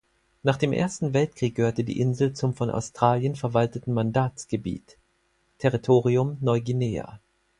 Nach dem Ersten Weltkrieg gehörte die Insel zum von Australien verwalteten Mandatsgebiet (Territorium Neuguinea).